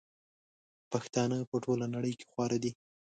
پښتانه په ټوله نړئ کي خواره دي